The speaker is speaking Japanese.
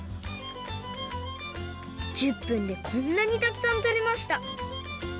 １０分でこんなにたくさんとれました。